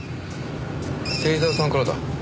芹沢さんからだ。